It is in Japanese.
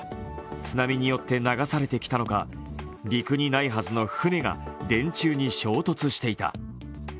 津波によって流されてきたのか陸にないはずの船が電柱に衝突していた。